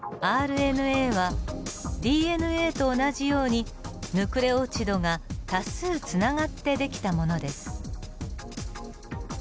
ＲＮＡはＤＮＡと同じようにヌクレオチドが多数つながって出来たものです。